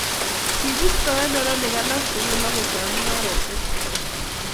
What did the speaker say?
kibisto neranik alak sukul akutou mung'aresiek kwach